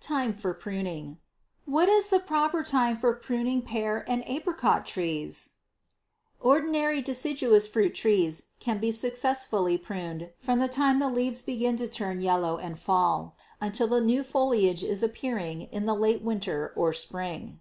Time for Pruning. What is the proper time for pruning pear and apricot trees? Ordinary deciduous fruit trees can be successfully pruned from the time the leaves begin to turn yellow and fall, until the new foliage is appearing in the late winter or spring.